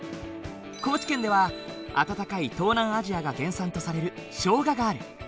高知県では暖かい東南アジアが原産とされるショウガがある。